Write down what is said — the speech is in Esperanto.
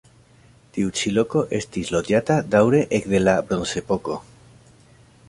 Tiu ĉi loko estis loĝata daŭre ekde la bronzepoko.